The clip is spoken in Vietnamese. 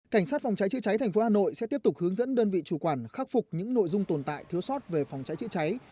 cảnh sát phòng cháy chữa cháy thành phố hà nội sẽ tiếp tục hướng dẫn đơn vị chủ quản khắc phục những nội dung tồn tại thiếu sót về phòng cháy chữa cháy